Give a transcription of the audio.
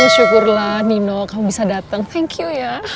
syukurlah nino kamu bisa datang thank you ya